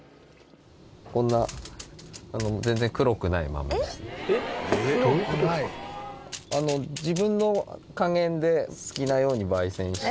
こんな全然自分の加減で好きなように焙煎して。